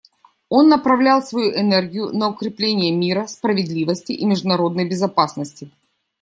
Он направлял свою энергию на укрепление мира, справедливости и международной безопасности.